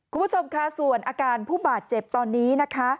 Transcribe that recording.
คุณผู้ชมค่ะส่วนอาการผู้บาดเจ็บตอนนี้นะคะ